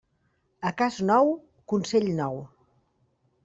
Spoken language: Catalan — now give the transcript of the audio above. A cas nou, consell nou.